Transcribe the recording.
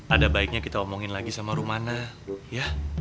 ada baiknya kita omongin lagi sama rumana ya